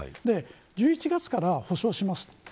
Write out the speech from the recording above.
１１月から補償します。